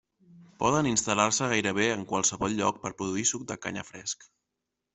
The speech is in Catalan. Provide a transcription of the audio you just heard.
Poden instal·lar-se gairebé en qualsevol lloc per produir suc de canya fresc.